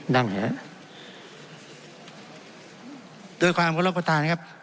นั่งนะครับด้วยความขอรบประทานนะครับ